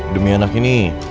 demi anak ini